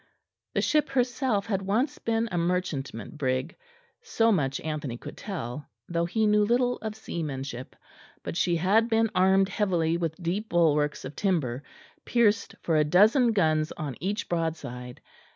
The ship herself had once been a merchantman brig; so much Anthony could tell, though he knew little of seamanship; but she had been armed heavily with deep bulwarks of timber, pierced for a dozen guns on each broadside.